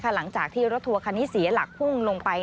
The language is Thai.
หลังจากที่รถทัวร์คันนี้เสียหลักพุ่งลงไป